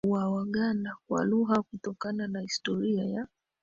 wa Waganda kwa lugha kutokana na historia ya